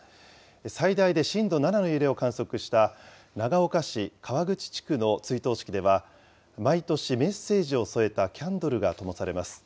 最大で震度７の揺れを観測した長岡市川口地区の追悼式では、毎年メッセージを添えたキャンドルがともされます。